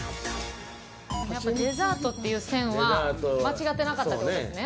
やっぱデザートっていう線は間違ってなかったって事ですね。